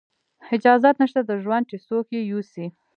اجازت نشته د ژوند چې څوک یې یوسي